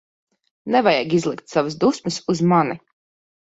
Nevajag izlikt savas dusmas uz mani.